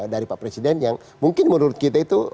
dari pak presiden yang mungkin menurut kita itu